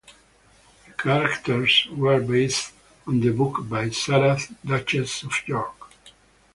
The characters were based on the books by Sarah, Duchess of York.